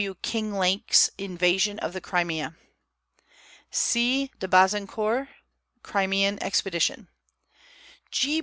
W. Kinglake's Invasion of the Crimea; C. de Bazancourt's Crimean Expedition; G. B.